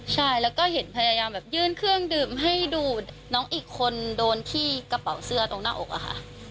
ใช่แล้วก็เห็นพยายามแบบยื่นเครื่องดื่มให้ดูดน้องอีกคนโดนที่กระเป๋าเสื้อตรงหน้าอกอะค่ะ